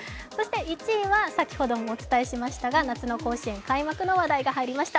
１位は先ほどもお伝えしましたが、夏の甲子園開幕の話題が入りました。